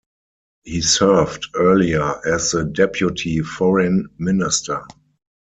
He served earlier as the deputy foreign minister.